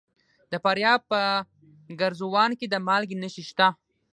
د فاریاب په ګرزوان کې د مالګې نښې شته.